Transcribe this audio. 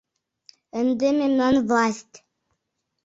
Ынде мемнан власть!